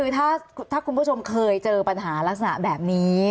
ถ้าคุณผู้ชมเคยเจอปัญหาลักษณะแบบนี้